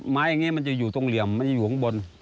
อย่างนี้มันจะอยู่ตรงเหลี่ยมมันจะอยู่ข้างบน